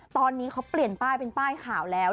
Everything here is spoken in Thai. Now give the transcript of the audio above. ตอนนี้เขาเปลี่ยนป้ายเป็นป้ายขาวแล้ว